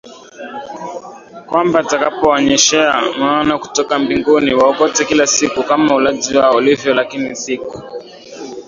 kwamba atakapowanyeshea Maana kutoka mbinguni waokote kila siku kama ulaji wao ulivyo lakini siku